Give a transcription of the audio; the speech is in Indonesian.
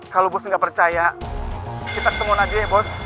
kalau bos gak percaya kita ketemuan aja ya bos